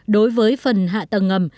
đối với phần hạ tầng ngầm